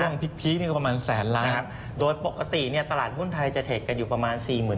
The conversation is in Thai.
ช่วงพลิกเนี่ยก็ประมาณแสนล้านนะครับโดยปกติเนี่ยตลาดหุ้นไทยจะเท็จกันอยู่ประมาณ